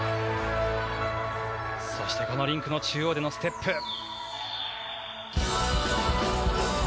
そしてこのリンクの中央でのステップ。